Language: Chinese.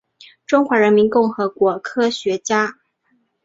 中华人民共和国科学家。